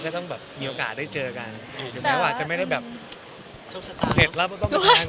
เค้าให้กลับไปทานระหว่างรถตีบกลับบ้าน